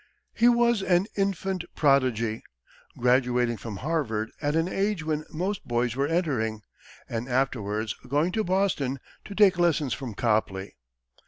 He was an infant prodigy, graduating from Harvard at an age when most boys were entering, and afterwards going to Boston to take lessons from Copley.